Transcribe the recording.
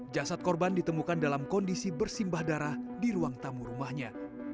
jasad korban ditemukan dalam kondisi bersimbah darah di ruang tamu rumahnya